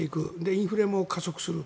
インフレも加速する。